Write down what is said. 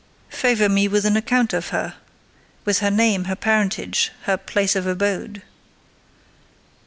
"Favour me with an account of her—with her name, her parentage, her place of abode."